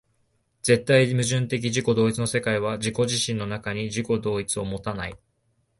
絶対矛盾的自己同一の世界は自己自身の中に自己同一を有たない。